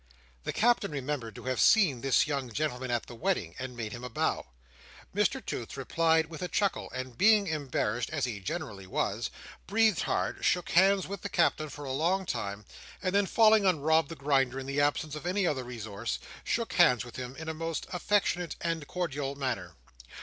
The Captain remembered to have seen this young gentleman at the wedding, and made him a bow. Mr Toots replied with a chuckle; and being embarrassed, as he generally was, breathed hard, shook hands with the Captain for a long time, and then falling on Rob the Grinder, in the absence of any other resource, shook hands with him in a most affectionate and cordial manner.